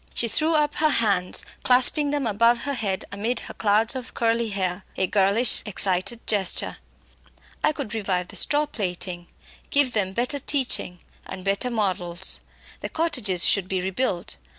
She threw up her hands, clasping them above her head amid her clouds of curly hair a girlish excited gesture. "I could revive the straw plaiting; give them better teaching and better models. The cottages should be rebuilt.